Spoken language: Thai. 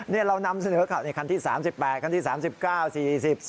นี่เรานำเสนอคันที่๓๘คันที่๓๙๔๐